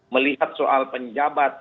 melihat soal penjabat